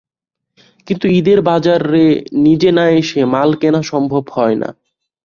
কিন্তু ঈদের বাজারে নিজে না এসে মাল কেনা সম্ভব হয় না।